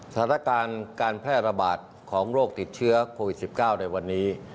สถานการณ์การแพร่ระบาดของโรคติดเชื้อโควิด๑๙ในวันนี้